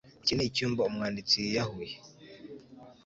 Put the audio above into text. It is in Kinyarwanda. iki nicyumba umwanditsi yiyahuye